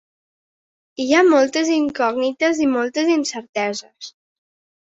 Hi ha moltes incògnites i moltes incerteses.